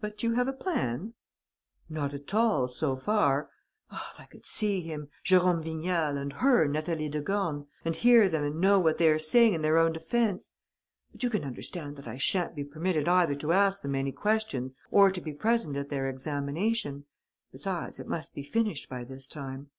"But you have a plan?" "None at all, so far. Ah, if I could see him, Jérôme Vignal, and her, Natalie de Gorne, and hear them and know what they are saying in their own defence! But you can understand that I sha'n't be permitted either to ask them any questions or to be present at their examination. Besides, it must be finished by this time."